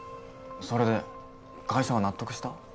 それで会社は納得した？